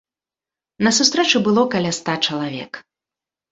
На сустрэчы было каля ста чалавек.